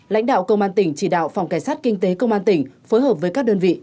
lãnh đạo công an tỉnh chỉ đạo phòng cảnh sát kinh tế công an tỉnh phối hợp với các đơn vị